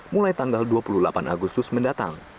mulai tanggal dua puluh delapan agustus mendatang